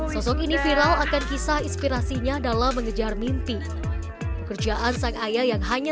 sosok ini viral akan kisah inspirasinya dalam mengejar mimpi pekerjaan sang ayah yang hanya